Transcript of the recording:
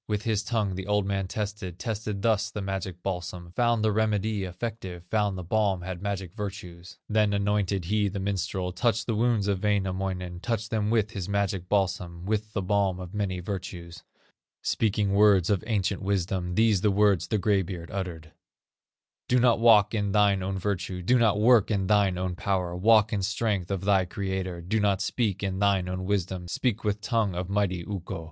With his tongue the old man tested, Tested thus the magic balsam, Found the remedy effective, Found the balm had magic virtues; Then anointed he the minstrel, Touched the wounds of Wainamoinen, Touched them with his magic balsam, With the balm of many virtues; Speaking words of ancient wisdom, These the words the gray beard uttered: "Do not walk in thine own virtue, Do not work in thine own power, Walk in strength of thy Creator; Do not speak in thine own wisdom, Speak with tongue of mighty Ukko.